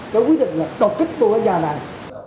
cái quyết định là đột kích tôi ở nhà này